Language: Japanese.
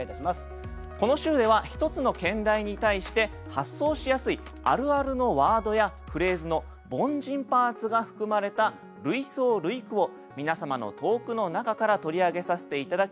この週では一つの兼題に対して発想しやすいあるあるのワードやフレーズの「凡人パーツ」が含まれた類想類句を皆様の投句の中から取り上げさせて頂き